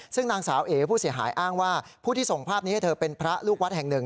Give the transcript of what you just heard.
ซึ่งนางสาวเอ๋ผู้เสียหายอ้างว่าผู้ที่ส่งภาพนี้ให้เธอเป็นพระลูกวัดแห่งหนึ่ง